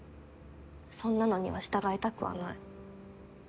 そんなのには従いたくはない。